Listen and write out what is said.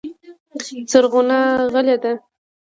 زرغونه غلې ده .